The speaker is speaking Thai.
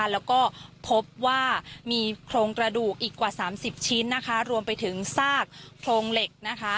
แล้วก็พบว่ามีโครงกระดูกอีกกว่า๓๐ชิ้นรวมไปถึงซากโครงเหล็กนะคะ